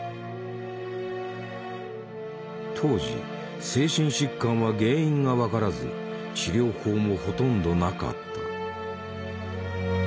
当時精神疾患は原因が分からず治療法もほとんどなかった。